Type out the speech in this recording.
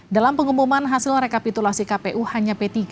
dalam pengumuman hasil rekapitulasi kpu hanya p tiga